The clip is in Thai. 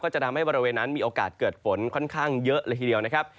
จะทำให้บริเวณนั้นมีโอกาสเกิดฝนค่อนข้างเยอะเลยทีเดียวนะครับ